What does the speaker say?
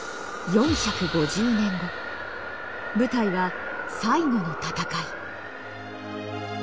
舞台は最後の戦い。